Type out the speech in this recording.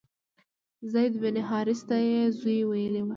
زید بن حارثه ته یې زوی ویلي و.